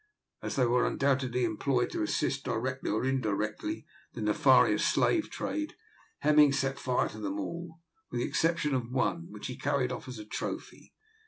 As they were undoubtedly employed to assist, directly or indirectly, the nefarious slave trade, Hemming set fire to them all with the exception of one, which he carried off as a trophy.